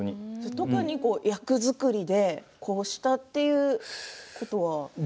役作りでこうしたということは？